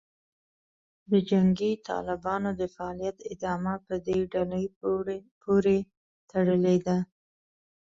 د جنګي طالبانو د فعالیت ادامه په دې ډلې پورې تړلې ده